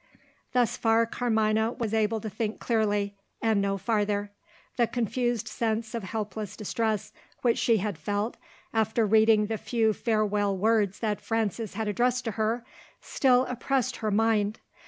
Thus far, Carmina was able to think clearly and no farther. The confused sense of helpless distress which she had felt, after reading the few farewell words that Frances had addressed to her, still oppressed her mind.